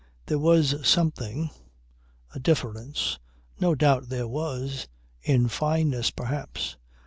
There was something a difference. No doubt there was in fineness perhaps.